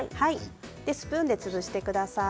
スプーンで潰してください。